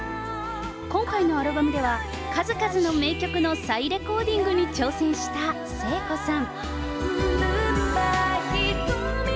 今回のアルバムでは、数々の名曲の再レコーディングに挑戦した聖子さん。